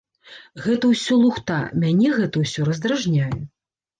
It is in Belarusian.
Гэта ўсё лухта, мяне гэта ўсё раздражняе!